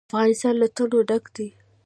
افغانستان له تنوع ډک دی.